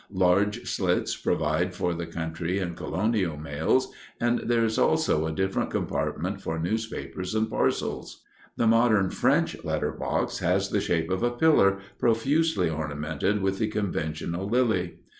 Large slits provide for the country and colonial mails, and there is also a different compartment for newspapers and parcels. The modern French letter box has the shape of a pillar, profusely ornamented with the conventional lily.